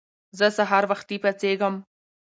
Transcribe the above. زه سهار وختی پاڅیږم